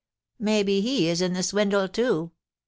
Maybe he is in the swindle too.